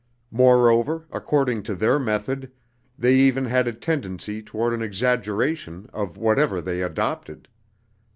Moreover, according to their method, they even had a tendency toward an exaggeration of whatever they adopted.